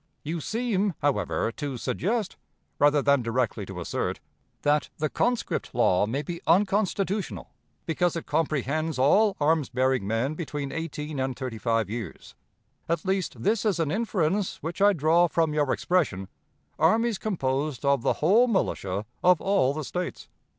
You seem, however, to suggest, rather than directly to assert, that the conscript law may be unconstitutional, because it comprehends all arms bearing men between eighteen and thirty five years; at least, this is an inference which I draw from your expression, 'armies composed of the whole militia of all the States.'